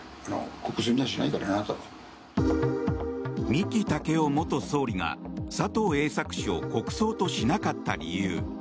三木武夫元総理が佐藤栄作氏を国葬としなかった理由